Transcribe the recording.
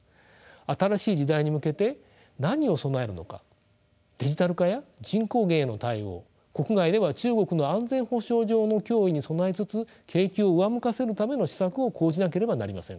新しい時代に向けて何を備えるのかデジタル化や人口減への対応国外では中国の安全保障上の脅威に備えつつ景気を上向かせるための施策を講じなければなりません。